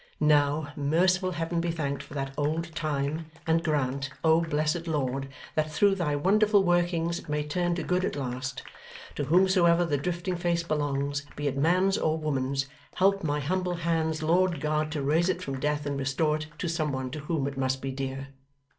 Now, merciful Heaven be thanked for that old time, and grant, O Blessed Lord, that through thy wonderful workings it may turn to good at last! To whomsoever the drifting face belongs, be it man's or woman's, help my humble hands, Lord God, to raise it from death and restore it to some one to whom it must be dear!